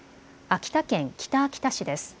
秋田県北秋田市です。